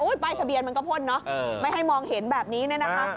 ป้ายทะเบียนมันก็พ่นเนอะไม่ให้มองเห็นแบบนี้เนี่ยนะคะ